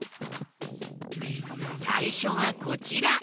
さいしょはこちら。